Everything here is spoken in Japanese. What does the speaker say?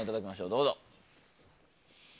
どうぞ。